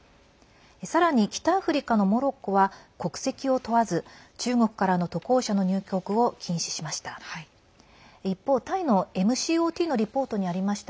さらに北アフリカのモロッコは国籍を問わず中国からの渡航者の入国を禁止しました。